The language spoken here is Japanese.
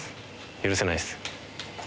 許せないです。